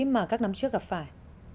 mà các năm trước gặp phải